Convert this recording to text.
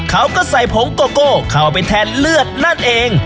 เขาก็ใส่ผงโกโก้เข้าไปแทนเลือดนั่นเอง